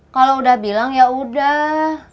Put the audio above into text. kalau udah bilang ya udah